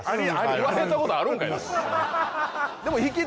言われたことあるんかいな！